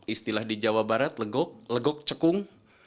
istilah di jawa barat legok legok cekung